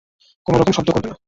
কোনো রকম শব্দ করবে না।